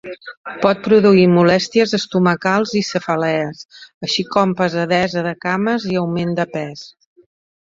Pot produir molèsties estomacals i cefalees, així com pesadesa de cames i augment de pes.